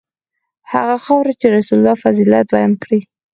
هغه خاوره چې رسول الله فضیلت بیان کړی.